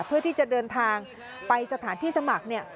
เพื่อที่จะเดินทางไปสถานที่สมัครเนี่ย